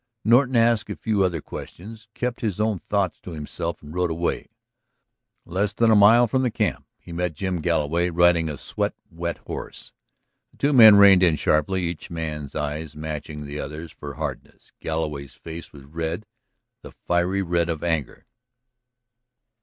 Norton asked a few other questions, kept his own thoughts to himself, and rode away. Less than a mile from the camp he met Jim Galloway riding a sweat wet horse. The two men reined in sharply, each man's eyes matching the other's for hardness. Galloway's face was red, the fiery red of anger.